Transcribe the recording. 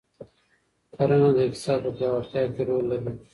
کرنه د اقتصاد په پیاوړتیا کې رول لري.